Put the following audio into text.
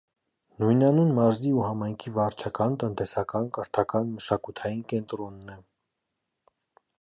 Նույնանուն մարզի ու համայնքի վարչական, տնտեսական, կրթական, մշակութային կենտրոնն է։